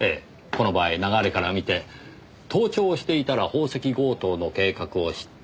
この場合流れから見て盗聴をしていたら宝石強盗の計画を知った。